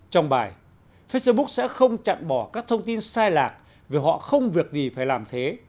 trong bài facebook sẽ không chặn bỏ các thông tin sai lạc vì họ không việc gì phải làm thế